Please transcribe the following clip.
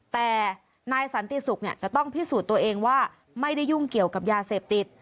แต่นายสันติศุกร์จะต้องพิสูจน์ตัวเองว่าไม่ได้ยุ่งเกี่ยวกับยาเสพติด